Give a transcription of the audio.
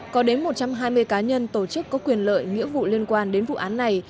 có đến một trăm hai mươi cá nhân tổ chức có quyền lợi nghĩa vụ liên quan đến vụ án này